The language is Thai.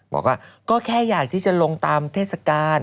บอกว่าก็แค่อยากที่จะลงตามเทศกาล